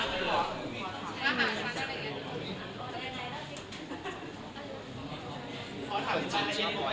ช่วยเข้าในห้องมีมากเลยเหรออาหารอะไรอย่างเงี้ย